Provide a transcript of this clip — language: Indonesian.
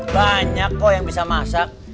banyak kok yang bisa masak